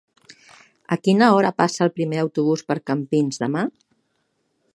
A quina hora passa el primer autobús per Campins demà?